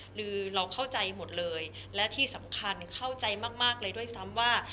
หรือเราเข้าใจหมดเลยและที่สำคัญเข้าใจมากเลยด้วยซ้ำว่า